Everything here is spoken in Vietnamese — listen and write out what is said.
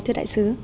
thưa đại sứ